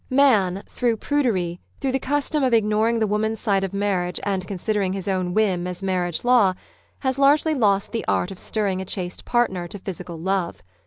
Man, through prudery, through the custom of ignoring the woman's side of marriage and consider ing his own whim as marriage law, has largely lost the art of stirring a chaste partner to physical love.